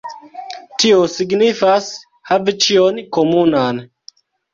Tio signifas: havi ĉion komunan.